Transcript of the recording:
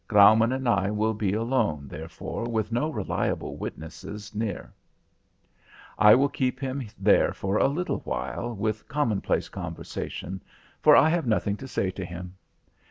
Graumann and I will be alone, therefore, with no reliable witnesses near. I will keep him there for a little while with commonplace conversation, for I have nothing to say to him.